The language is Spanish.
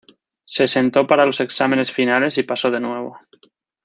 Se sentó para los exámenes finales y pasó de nuevo.